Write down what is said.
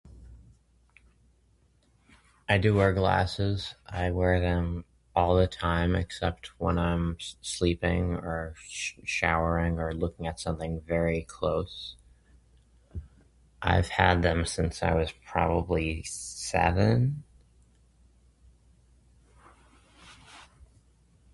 I do wear glasses. I wear them all the time, except when I'm s- sleeping or sh- showering or looking at something very close. I've had them since I was probably seven?